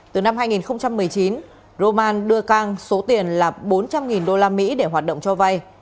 từ năm hai nghìn một mươi chín roman đưa cang số tiền là bốn trăm linh usd để hoạt động cho vay